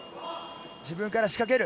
自分から仕掛ける。